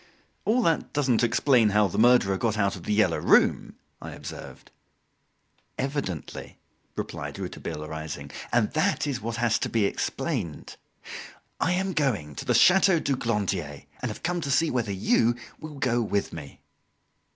"All that doesn't explain how the murderer got out of "The Yellow Room"," I observed. "Evidently," replied Rouletabille, rising, "and that is what has to be explained. I am going to the Chateau du Glandier, and have come to see whether you will go with me."